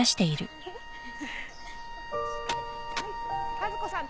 和子さん